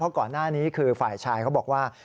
ก่อนหน้านี้คือฝ่ายชายเขาบอกว่า